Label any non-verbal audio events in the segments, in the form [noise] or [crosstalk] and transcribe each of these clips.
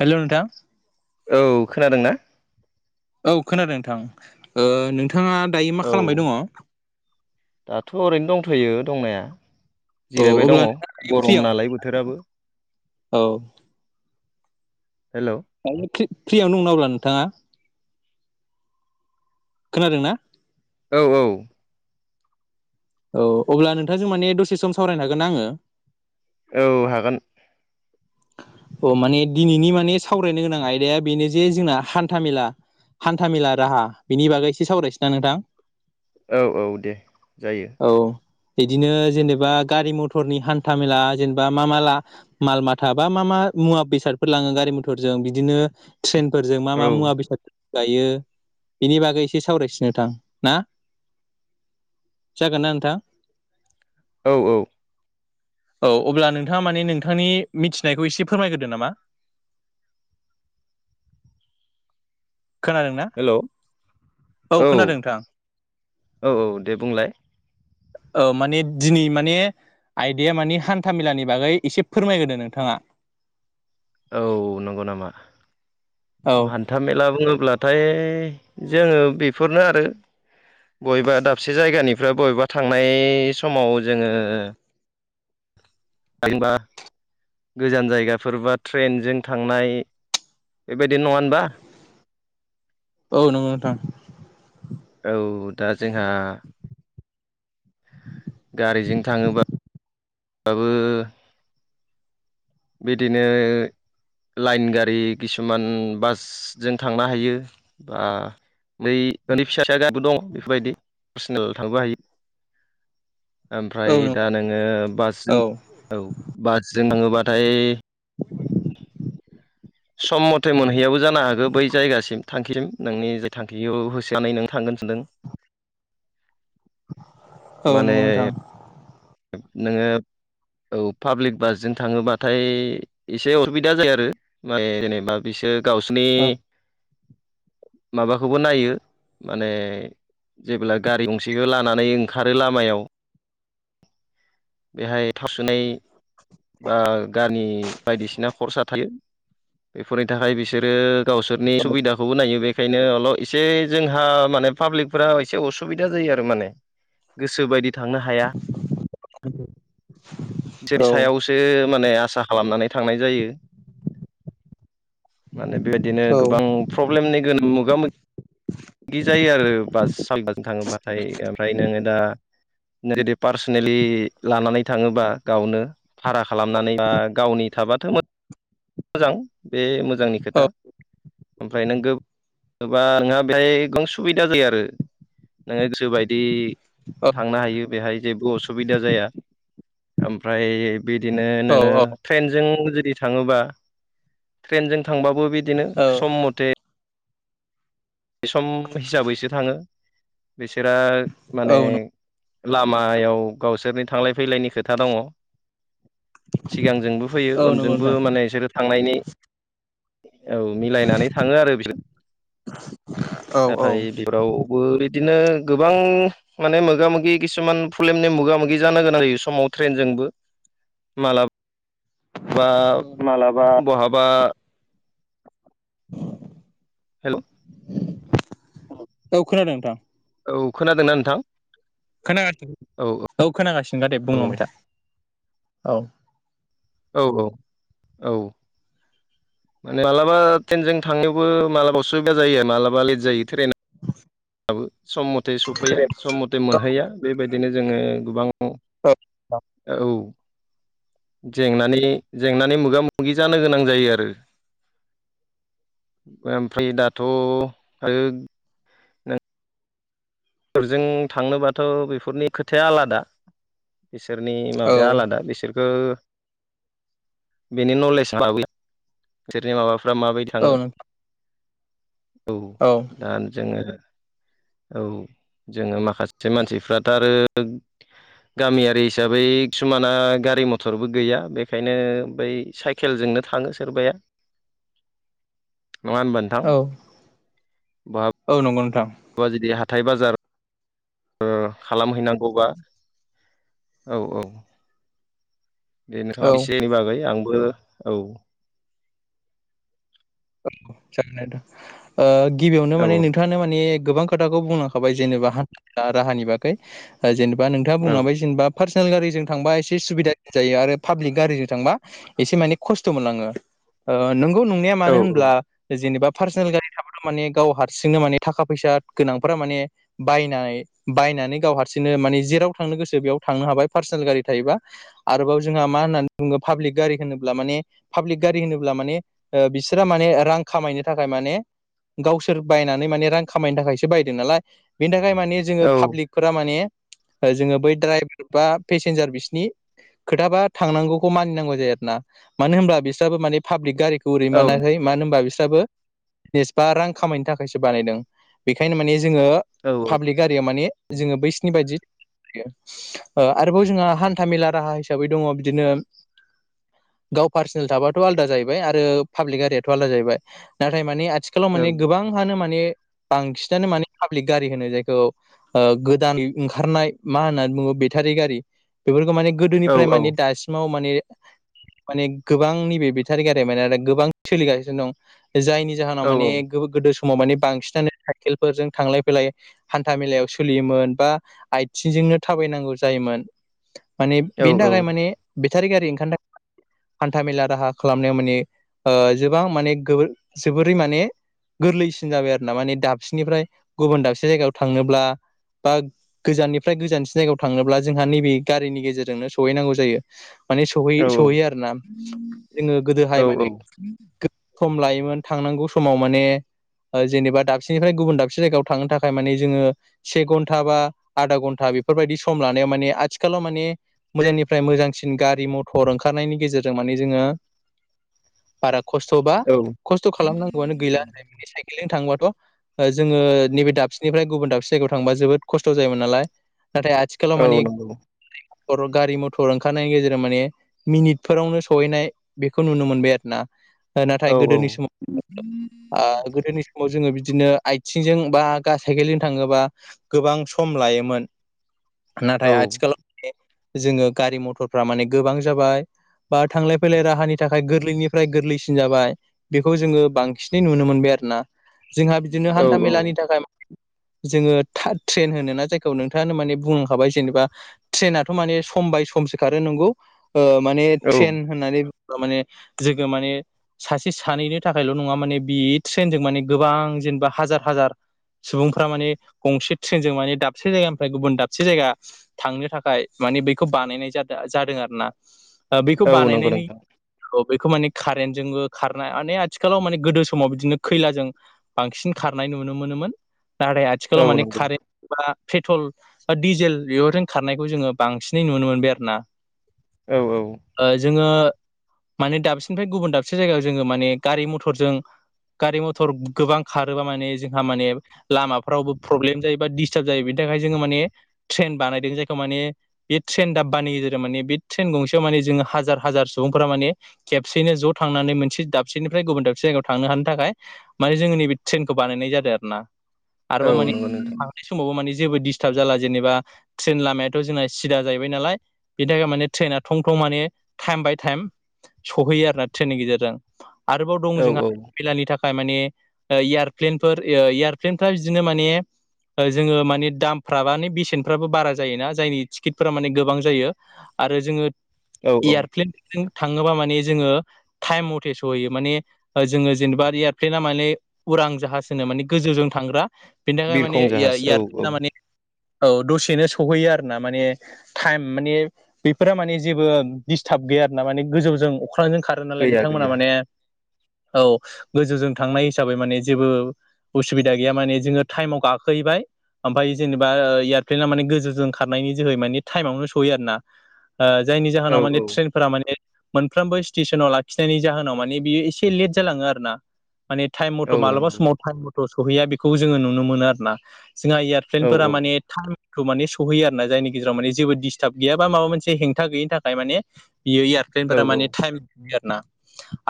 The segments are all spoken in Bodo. हेलौ नोंथां औ खोनादोंना? औ खोनादों नोंथां। ओ नोंथाङा दायो औ मा खालामबाय दङ? दाथ' ओरैनो दंथ'यो दंनाया। जिरायबाय अब्ला दङ नोंथाङा गरम फ्रियाव नालाय बोथोराबो। औ हेलौ [unintelligible] फ्रियावनो दंना अब्ला नोंथाङा? खोनादों ना? औ औ। औ अब्ला नोंथांजों माने दसे सम सावरायनो हागोनना आङो? औ हागोन। अ माने दिनैनि माने सावरायनो गोनां आयदाया बेनो जे जोंना हान्था मेला हान्था मेला राहा बिनि बागै एसे सावरायसैना नोंथां? औ औ दे जायो। औ बिदिनो जेनेबा गारि मटरनि हान्था मेला जेनेबा मा माला माल मा थाबा मा मा मुवा बेसादफोर लाङो गारि मटरजों बिदिनो ट्रेनफोरजों मा मा औ मुवा बेसाद गायो बिनि बागै एसे सावरायसै नोंथां। ना? जागोनना नोंथां? औ औ। औ अब्ला नोंथाङा माने नोंथांनि मिथिनायखौ एसे फोरमायगोरदो नामा। खोनादों ना? हेल' औ खोनादों नोंथां। औ औ दे बुंलाय औ माने दिनै माने आयदाया माने हान्था मेलानि बागै एसे फोरमायग्रोदो नोंथाङा। औ नंगौ नामा? औ अ हान था मेला बुङोब्लाथाय जोङो बेफोरनो आरो बबेबा दाबसे जायगानिफ्राय बबेबा थांनाय समाव जोङो [unintelligible] गोजान जायगाफोर बा ट्रेनजों थांनाय बेबायदि नङा होनबा? औ नङो नोंथां। औ दा जोंहा गारिजों थाङोबा बाबो बिदिनो लाइन गारि किसुमान बासजों थांनो हायो बा बै न'नि फिसा फिसा गारिबो दं बेफोरबायदि पार्सनेल थांबो हायो। औ ओमफ्राय नंगौ दा नोङो औ बासजों औ बासजों थाङोबाथाय सम मथे मोनहैयाबो जानो हागौ बै जायगासिम थांखिसिम नोंनि जाय थांखिखौ होसोनानै नों थांगोन सानदों। [inaudible] औ माने नंगौ नोंथां। नोङो औ पाब्लिक बासजों थाङोबाथाय एसे असुबिदा जायो आरो माए जेनेबा बिसोर गावसोरनि औ माबाखौबो नायो माने जेब्ला गारि गंसेखो लानानै ओंखारो लामायाव बेहाय थावसोनाय बा गामि बायदिसिना खर्सा थायो। बेफोरनि थाखाय बिसोरो गावसोरनि सुबिदाखौबो नायो बे बेखायनोल' एसे जोंहा मानो पाब्लिकफोरा एसे असुबिदा जायो आरो माने गोसो बायदि थांनो हाया। [inaudible] औ बिसोरनि सायावसो माने आसा खालामनानै थांनाय जायो। माने बेबादिनो गोबां प्रब्लेमनि गोन मोगा मोगि बिदि जायो आरो बास [unintelligible] जों थाङोबाथाय ओमफ्राय नोङो दा जुदि पार्सनेलि लानानै थाङोबा गावनो भारा खालामनानै बा गावनि थाबाथ' मो [inaudible] मोजां बे मोजांनि औ खोथा। ओमफ्राय नों बेयाव बा नोंहा बेहाय गोबां सुबिदा जायो आरो। नोङो गोसो बायदि थांनो हायो बेहाय जेबो असुबिदा जाया। ओमफ्राय बिदिनो औ नोङो ट्रेनजों जुदि थाङोबा ट्रेनजों थांबाबो बिदिनो औ सम मथे बे सम हिसाबैसो थाङो बिसोरा औ माने लामायाव गावसोरनि थांलाय फैलायनि खोथा दङ। सिगांजोंबो फैयो औ नंगौ उनजोंबो नोंथां माने बिसोरो थांनायनि औ मिलायनानै थाङो आरो बिसोर [inaudible] ओमफ्राय बेफोरावबो बिदिनो गोबां माने मोगा मोगि किसुमान प्रब्लेमनि मोगा मोगि जानांगोन आरो समाव ट्रेनजोंबो। माला बा बहाबा [inaudible] हेल' औ खोनादों नोंथां। औ खोनादोंना नोंथां? खोनागासिनो औ खोनागासिनोखा दे औ बुंलांबाय था औ। औ औ औ। माने मालाबा ट्रेनजों थांनायावबो मालाबा असुबिदा जायो मालाबा लेट जायो ट्रेना। औ सम मथे सफैया सम मथे मोनहैया बेबायदिनो जोङो गोबां औ जेंनानि जेंनानि मोगा मोगि जानो गोनां जायो आरो। ओमफ्राय दाथ' फोरजों थांनोबाथ' बेफोरनि खोथाया आलादा। बिसोरनि औ माबाया आलादा बिसोरखो बेनि नलेज [inaudible] बिसोरनि माबाफ्रा माबायदि औ थाङो औ दा जोङो औ जोङो माखासे मानसिफ्राथ' आरो गामियारि हिसाबै किसुमाना गारि मथरबो गैया बेखायनो बै साइ खेलजोंनो थाङो सोरबाया। [unintelligible] नङा होमबा नो औ औ नंगौ नोंथां। [unintelligible] जुदि हाथाय बाजार ओ खालामहैनांगौबा औ औ औ बेनोखा एसेनि बागै आंबो औ। औ जागोन ओ गिबियावनो औ माने नोंथां खोथानो माने गोबां खोथाखौ बुंलांबाय जेनेबा हान्था राहानि बा जेनेबा नोंथाङा बुंलांबाय जेनेबा पार्सनेल गारिजों थांबा एसे सुबिदा जायो आरो पाब्लिक गारिजों थांबा एसे माने खस्थ' मोनलाङो ओ नोंगौ नंनाया औ मानो होन जेनेबा पार्सनेल गारि थाबाथ' माने गाव हारसिंनो माने थाखा फैसा गोनांफोरा माने बायनाय बायनानै गाव हारसिंनो माने जेराव थांनो गोसो बेयाव थांनो हाबाय पार्सनेल गारि थायोबा। आरोबाव जोंहा मा होननानै बुङो पाब्लिक गारि होनोब्ला माने पाब्लिक गारि होनोब्ला माने बिसोर बिसा माने रां खामायनो थाखाय माने गावसोर बायनानै माने रां खामायनो थाखायसो बायदों नालाय बेनि थाखाय माने जोङो औ पाब्लिक फोरा माने जोङो बै द्राइभार बा पेसेन्जार बिसिनि खोथाबा थांनांगौखौ मानिनांगौ जायो आरो ना मानो होनब्ला बिस्राबो माने पाब्लिक गारिखौ ओरै माना मानो होनबा बिस्राबो बेसेबा रां खामायनो थाखायसो बानायदों बेनिखायनो माने जोङो औ पाब्लिक गारिया माने जोङो बैसिनि बायदि ओ आरोबाव जोंहा हान्थामेला राहा हिसाबै दङ बिदिनो गाव पार्सनेल थाबाथ' आलदा जाहैबाय आरो पाब्लिक गारियाथ' आलादा जाहैबाय नाथाय मानि आथिखालाव माने गोबां हानो माने बांसिनानो माने पाब्लिक गारि होनो जायखौ गोदान ओंखारनाय मा होननानै बुङो बेटारि गारि बेफोरखौ माने औ औ गोदोनिफ्राय माने औ दासिमाव माने माने गोबांनि बेे बेथारि माने गोबां सोलिगासिनो दं जायनि औ जाहोनाव माने गोदो समाव माने बांसिनानो साइकेलफोरजों थांलाय फैलाय हान्था मेलायाव सोलियोमोन बा आइथिंजोंनो थाबायनांगौ जायोमोन। माने बेनि थाखाय माने बेटारि गारि ओंखारनो हान्था मेला राहा खालामनायाव माने ओ गोबां माने जोबोरै माने गोरलैसिन जाबाय आरो ना माने दाबसेनिफ्राय गुबुन दाबसे जायगायाव थांनोब्ला बा गोजाननिफ्राय गोजानसिन जायगायाव थांनोब्ला जोंहा नैबे गारिनि गेजेरजोंनो सौहैनांगौ जायो। माने औ सौहै-सौहैयो आरो ना जोङो औ गोदोहाय माने सम लायोमोन थांनांगौ समाव माने ओ जेनेबा दाबसेनिफ्राय गुबुन दाबसे जायगायाव थांनो थाखाय माने जोङो से घन्टा बा आधा घन्टा बेफोरबायदि सम लानायाव माने आथिखालाव माने मोजांनिफ्राय मोजांसिन गारि मथर ओंखारनायनि गेजेरजों माने जोङो बारा खस्थ'बा औ खस्थ' खालामनांगौआनो गैला होनाय साइकेलजों थांङोबाथ' ओ जोङो नैबे दाबसेनिफ्राय गुबुन दाबसे जायगायाव थांबा जोबोद खस्थ' जायोमोन नालाय नाथाय आथि खालाव औ मानेख नंगौ हर' गारि मथर ओंखारनायनि गेजेराव माने मिनिटफोरावनो सहैनाय बेखौ नुनो मोनबाय आरो ना औ नाथाय औ गोदोनि समाव [inaudible] आ गोदोनि समाव जोङो बिदिनो आथिंजों बा गा साइकेलजों थाङोबा गोबां सम लायोमोन नाथाय आथिखालाव जोङो गारि मथरफ्रा माने गोबां जाबाय बा थांलाय फैलाय राहानि थाखाय गोरलैनि फ्राय गोरलैसिन जाबाय बेखौ जोङो बांसिनै नुनो मोनबाय आरोना जोंहा बिदिनो औ हान्था मेलानि थाखाय जोङो ट्रेन होनो ना जायखौ नोंथाङानो माने बुंलांखाबाय जेनेबा ट्रेनाथ' माने सम बाय समसो खारो नोंगौ ओ माने ट्रेन होननानै बुङोबा माने जोङो माने सासे सानैनि थाखायल' नङा माने बे ट्रेनजों माने गोबां जेनेबा हाजार हाजार सुबुंफ्रा माने गंसे ट्रेनजों माने दाबसे जायगानिफ्राय गुबुन दाबसे जायगा थांनो थाखाय मानि बैखौ बानायनाय जादों जादों आरोना बैखौ औ नंगौ बानायनायनि नोंथां औ बेखौ माने कारेन्टजोंबो खारनाय माने आथिखालाव माने गोदो समाव बिदिनो खैलाजों बांसिन खारनाय नुनो मोनोमोन नाथाय औ आथिखालाव माने नंगौ कारेन्ट बा पेट्रल ओ डिजेल बेफोरजों खारनायखौ जोङो बांसिनै नुनो मोनबाय आरोना औ औ ओ जोङो माने दाबसेनिफ्राय गुबुन दाबसे जायगायाव जोङो माने गारि मथरजों गारि मथर गोबां खारोबा माने जोंहा माने लामाफ्रावबो प्रब्लेम जायो बा डिस्टार्ब जायो बेनि थाखाय जोङो माने ट्रेन बानायदों जायखौ माने बे ट्रेन दाब्बानि गेजेराव माने बे ट्रेन गंसेयाव माने जोङो हाजार हाजार सुबुंफोरा माने खेबसेयैनो ज' थांनानै मोनसे दाबसेनिफ्राय गुबुन दाबसे जायगायाव थांनो हानो थाखाय माने जोङो नैबे ट्रेनखौ बानायनाय जादों आरोना औ आरोबाव माने नंगौ नोंथां समावबो माने जेबो डिस्टार्ब जाला जेनेबा ट्रेन लामायाथ' जोंना सिदा जाहैबाय नालाय। बिनि थाखाय माने ट्रैना थं थं माने टाइम बाय टाइम सहैयो आरोना ट्रेननि गेजेरजों आरोबाव दं औ औ जोंहा खैलानि थाख खाय माने ओ एयारप्लेनफोर एयारप्लेनफ्रा बिदिनो माने ओ जोङो माने दामफ्राबाने बेसेनफ्राबो बारा जायोना जायनि टिकेटफोरा माने गोबां जायो। आरो जोङो औ औ एयारप्लेनजों थाङोबा माने जोङो। थाइम मथे सौहैयो माने ओ जोङो जेनेबा एयारप्लेना माने उरां जाहाज होनो माने गोजौजों थांग्रा। बेनि थाखाय माने बिरखं जाहाज औ औ इया-इयारफ्लेना माने औ दसेनो सहैयो आरोना माने। टाइम माने बेफोरा माने जेबो दिडिस्टार्ब गैया ना माने गोजौजों अख्रांजों खारो नालाय गैया बिथांमोना गैया माने औ गोजौजों थांनाय हिसाबै माने जेबो उसुबिदा गैया माने जोङो टाइमाव गाखोहैबाय ओमफ्राय जेनेबा ओ एयारप्लेना माने गोजौजों खारनायनि जोहै माने टाइमावनो सहयो आरना। ओ जायनि औ जाहोनावाने औ ट्रेन फोर माने मोनफ्रोमबो स्टेसनाव लाखिनायनि जाहोनाव माने बियो एसे लेट जालाङो आरोना। माने टाइम औ मथ' मालाबा नंगौ समाव टाइम मथ' सहैया बेखौ जोङो नुनो मोनो आरोना जोंहा इयार औ फ्लेनफोरा औ माने टाइमखौ माने सहैयो आरोना जायनि गेजेराव माने जेबो डिस्टार्ब गैया बा माबा मोनसे हेंथा गैयिनि थाखाय माने बियो औ एयारप्लेनफोरा माने टाइम होयो आरोना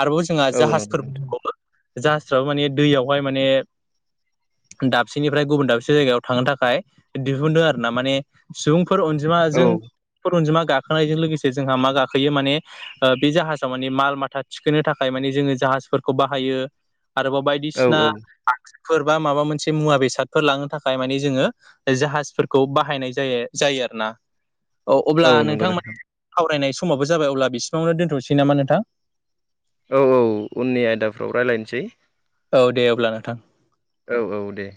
आरोबाव जोंहा औ नंगौ जाहाजफोर नोंथां दंबावो जाहासफ्राबो माने दैयावहाय माने दाबसेनिफ्राय गुबुन दाबसे जायगायाव थांनो थाखाय दिहुनदों आरो ना माने। सुबुंफोर औ अनजिमाजों फोर अनजिमा गाखोनायजों लोगोसे जोंहा मा गाखो। गोयो माने बे जाहाजाव माने माल माथा थिखोनो थाखाय माने जोङो जाहाजफोरखौ बाहायो। आरोबाव औ बायदिसिना आगजुफोर बा माबा मोनसे मुवा बेसादफोर लांनो थाखाय माने जोङो। जाहाजफोरखौ बाहायनाय जायो जायो आरो ना। औ अब्ला नोंथां माने सावरायनाय समावबो जाबाय अब्ला बिसिमावनो दोन्थ'नोसै नामा नोंथां। औ औ उननि आयदाफ्राव रायज्लायनोसै। औ दे अब्ला नोंथां। औ औ दे।